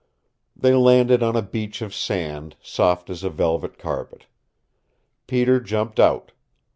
They landed on a beach of sand, soft as a velvet carpet. Peter jumped out.